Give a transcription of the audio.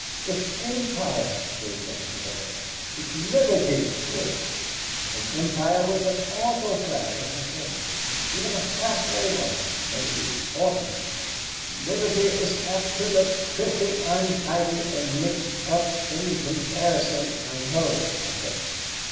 It's empire they think of over there; it's liberty here. An empire with an autocrat at the head, even a half way one, may be orderly. Liberty is apt to look pretty untidy and mixed up in comparison, I know, Otto.